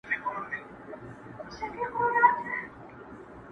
ما یې خالي انګړ ته وکړل سلامونه٫